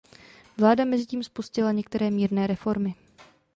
Vláda mezitím spustila některé mírné reformy.